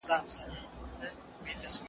زړه پرته له ژوند نشي کیدلای.